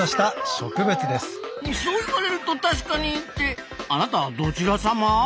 そう言われるとたしかにってあなたどちらさま？